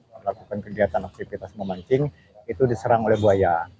melakukan kegiatan aktivitas memancing itu diserang oleh buaya